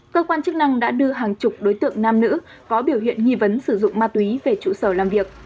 cơ quan chức năng đã đưa hàng chục đối tượng nam nữ có biểu hiện nghi vấn sử dụng ma túy về trụ sở làm việc